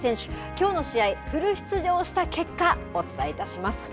きょうの試合、フル出場した結果、お伝えいたします。